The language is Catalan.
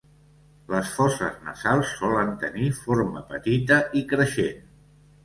Les fosses nassals solen tenir forma petita i creixent.